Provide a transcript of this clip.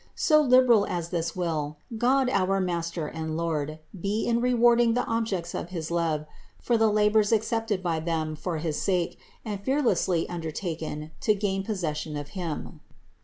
So liberal as this will God, our Master and Lord, be in rewarding the objects of his love for the labors accepted by them for his sake and fearlessly undertaken to gain possession of Him.